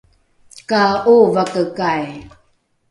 ka ’ovakekai